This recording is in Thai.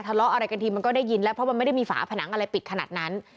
ทะเลาะอะไรกันทีมันก็ได้ยินแล้วเพราะมันไม่ได้มีฝาผนังอะไรปิดขนาดนั้น